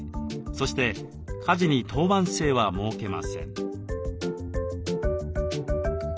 そして家事に当番制は設けません。